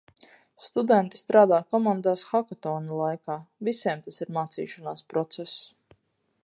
Studenti strādā komandās hakatona laikā. Visiem tas ir mācīšanās process.